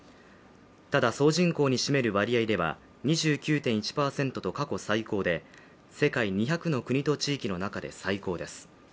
ただ総人口に占める割合では、２９．１％と過去最高で世界２００の国と地域の中で最高です。